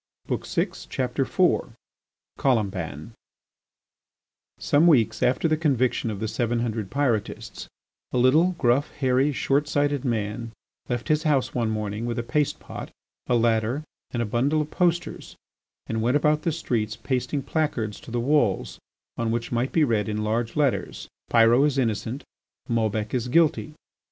Their wish was to be gratified. IV. COLOMBAN Some weeks after the conviction of the seven hundred Pyrotists, a little, gruff, hairy, short sighted man left his house one morning with a paste pot, a ladder, and a bundle of posters and went about the streets pasting placards to the walls on which might be read in large letters: Pyrot is innocent, Maubec is guilty.